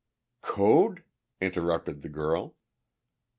"Code?" interrupted the girl.